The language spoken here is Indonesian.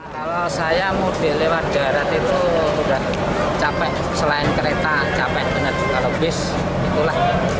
kalau saya mau dilewat jarak itu sudah capek selain kereta capek banget kalau bis itulah